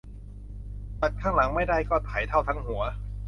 ตัดข้างหลังไม่ได้ก็ไถเท่าทั้งหัว